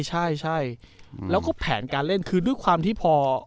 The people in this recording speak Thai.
ใช่แล้วก็แผนการเล่นคือด้วยความที่พอ